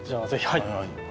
はい。